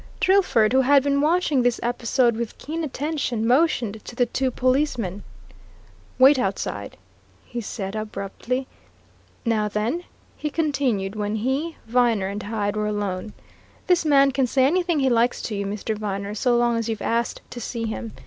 Drillford, who had been watching this episode with keen attention, motioned to the two policemen. "Wait outside," he said abruptly. "Now, then," he continued when he, Viner and Hyde were alone, "this man can say anything he likes to you, Mr. Viner, so long as you've asked to see him.